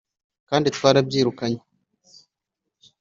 Kandi twarabyirukanye,